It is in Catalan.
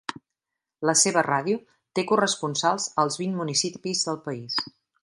La seva ràdio té corresponsals als vint municipis del país.